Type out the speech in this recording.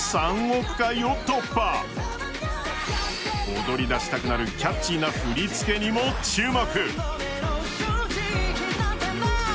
踊り出したくなるキャッチーな振り付けにも注目。